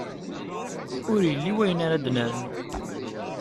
Ur yelli wayen ara d-nernu.